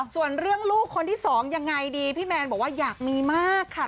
ส่วนเรื่องลูกคนที่สองยังไงดีพี่แมนบอกว่าอยากมีมากค่ะ